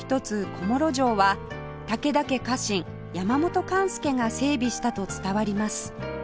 小諸城は武田家家臣山本勘助が整備したと伝わります